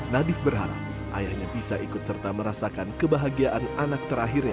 nadif berharap ayahnya bisa ikut serta merasakan kebahagiaan anak terakhirnya